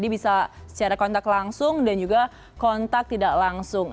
bisa secara kontak langsung dan juga kontak tidak langsung